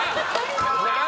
何？